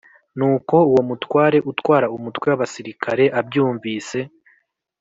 Nuko uwo mutware utwara umutwe w abasirikare abyumvise